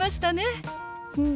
うん。